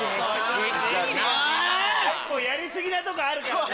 やり過ぎなとこあるから。